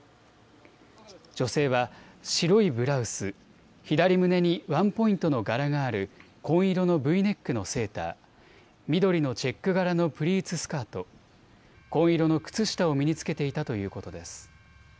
女性は白いブラウス、左胸にワンポイントの柄がある紺色のＶネックのセーター、緑のチェック柄のプリーツスカート、紺色の靴下を身に着けていたということです。